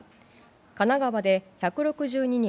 神奈川で１６２人